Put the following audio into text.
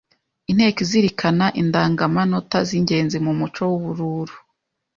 Inteko Izirikana, Indangamanota z’ingenzi mu muco w’u Bururu